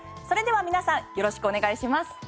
それでは皆さんよろしくお願いします。